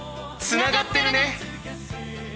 つながってるね！